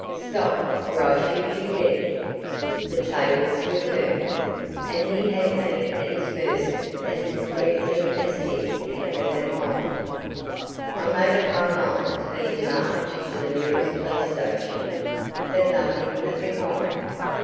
Stop, or I shoot you dead!' The tables were turned, and he had me at his mercy as completely as he had been at mine. I made up my mind to being marched to the nearest police station. But nothing of the kind.